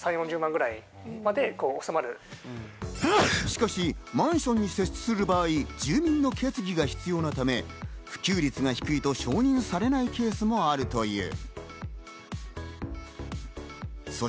しかし、マンションに設置する場合、住民の決議が必要なため、普及率が低いと承認されないケースもあるという。